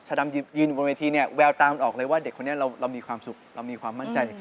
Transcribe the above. ดำยืนอยู่บนเวทีเนี่ยแววตามันออกเลยว่าเด็กคนนี้เรามีความสุขเรามีความมั่นใจ